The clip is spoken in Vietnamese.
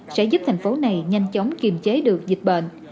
sẽ giúp thành phố này nhanh chóng kiềm chế được dịch bệnh